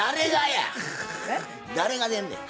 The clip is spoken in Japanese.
誰がでんねん？